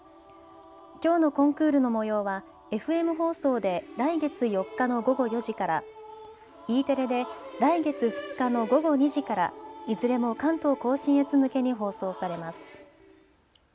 きょうのコンクールのもようはＦＭ放送で来月４日の午後４時から、Ｅテレで来月２日の午後２時からいずれも関東甲信越向けに放送されます。